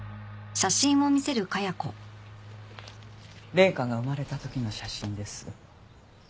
麗華が生まれた時の写真です。